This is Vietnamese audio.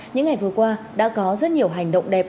những ngày vừa qua đã có rất nhiều hành động đẹp